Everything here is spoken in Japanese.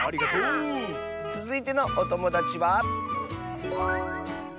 つづいてのおともだちは。